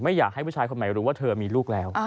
อยากให้ผู้ชายคนใหม่รู้ว่าเธอมีลูกแล้ว